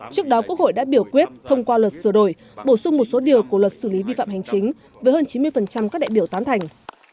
trước đó quốc hội đã biểu quyết thông qua luật sửa đổi bổ sung một số điều của luật xử lý vi phạm hành chính với hơn chín mươi các đại biểu tán thành